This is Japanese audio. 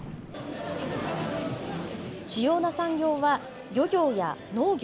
主要な産業は漁業や農業。